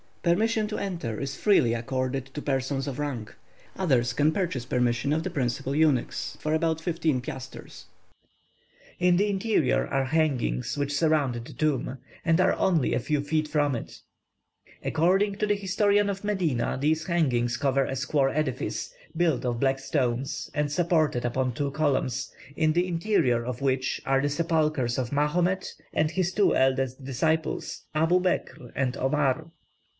Permission to enter is freely accorded to persons of rank, and others can purchase permission of the principal eunuchs for about fifteen piasters. In the interior are hangings which surround the tomb, and are only a few feet from it." According to the historian of Medina, these hangings cover a square edifice, built of black stones, and supported upon two columns, in the interior of which are the sepulchres of Mahomet and his two eldest disciples, Abou Bekr and Omar.